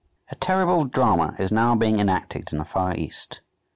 A terrible drama is now being enacted in the Far East.